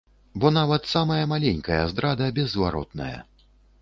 Бо нават самая маленькая здрада беззваротная.